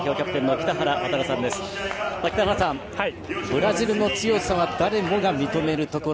北原さん、ブラジルの強さは誰もが認めるところ。